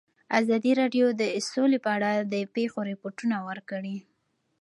ازادي راډیو د سوله په اړه د پېښو رپوټونه ورکړي.